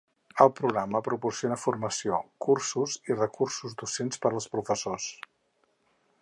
El programa proporciona formació, cursos i recursos docents per als professors.